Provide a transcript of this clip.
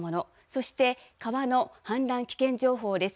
そして川の氾濫危険情報です。